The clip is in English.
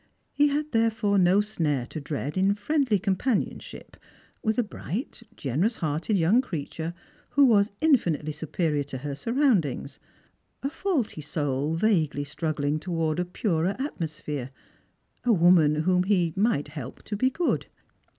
He had therefore no snare to dread in friendly companionship with a bright generous hearted young creature wlio was infinitely superior to her surroundings, a faulty soul vaguely struggling towards a purer atmosphere, a woman vinom he might help to be good.